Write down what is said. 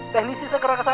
teknisis segera kesana